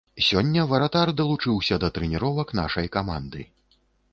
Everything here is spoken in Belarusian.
Сёння варатар далучыўся да трэніровак нашай каманды.